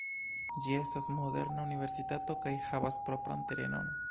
Ĝi estas moderna universitato kaj havas propran terenon.